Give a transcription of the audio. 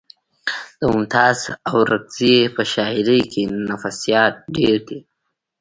د ممتاز اورکزي په شاعرۍ کې نفسیات ډېر دي